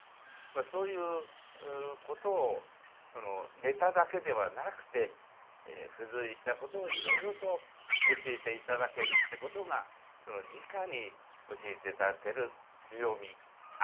そういうことをネタだけではなくて付随したことをいろいろと教えて頂けるってことがじかに教えて頂ける強みありがたさではないかと思います。